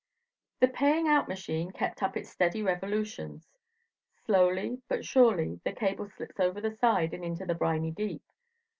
The paying out machine kept up its steady revolutions. Slowly, but surely, the cable slips over the side and into the briny deep.